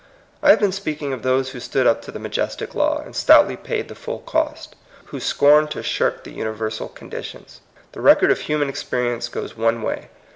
I have been speaking of those who stood up to the majestic law, and stoutly paid the full cost, who scorned to shirk the uni versal conditions. The record of human experience goes one way.